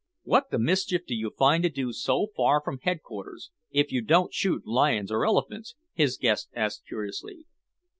"What the mischief do you find to do so far from headquarters, if you don't shoot lions or elephants?" his guest asked curiously.